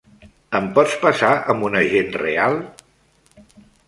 Em pots passar amb un agent real?